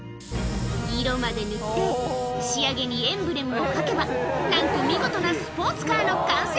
色まで塗って仕上げにエンブレムを描けばなんと見事なスポーツカーの完成